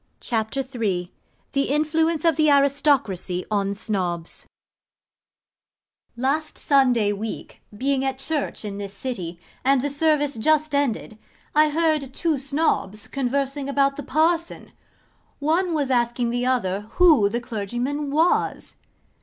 CHAPTER III THE INFLUENCE OF THE ARISTOCRACY ON SNOBS Last Sunday week, being at church in this city, and the service just ended, I heard two Snobs conversing about the Parson. One was asking the other who the clergyman was?